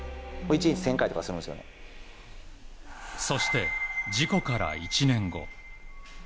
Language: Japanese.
そして、事故から１年後。